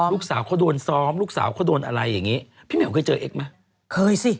ลูกสาวเขาโดนซองลูกสาวเขาโดนอะไรพี่แมวเคยเจอเอ็กมั้ย